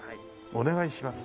「お願いします」